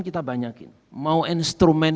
kita banyakin mau instrumen